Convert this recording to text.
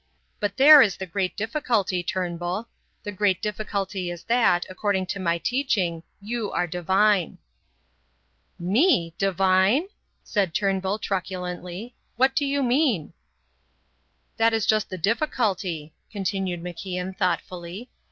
But there is the great difficulty, Turnbull. The great difficulty is that, according to my teaching, you are divine." "Me! Divine?" said Turnbull truculently. "What do you mean?" "That is just the difficulty," continued MacIan thoughtfully.